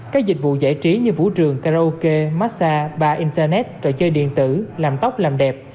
các dịch vụ giải trí như vũ trường karaoke massage ba internet trò chơi điện tử làm tóc làm đẹp